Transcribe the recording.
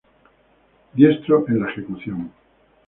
Diestro en la ejecución.